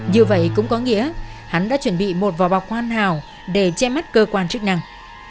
như vậy cũng có nghĩa hắn đã chuẩn bị một vỏ bọc hoàn hảo để che mắt cơ quan chức năng